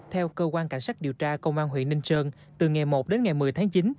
theo cơ quan cảnh sát điều tra công an huyện ninh sơn từ ngày một đến ngày một mươi tháng chín